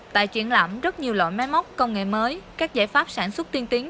tại triển lãm rất nhiều loại máy móc công nghệ mới các giải pháp sản xuất tiên tiến